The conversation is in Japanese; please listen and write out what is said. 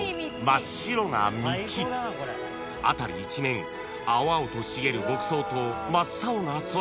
［辺り一面青々と茂る牧草と真っ青な空］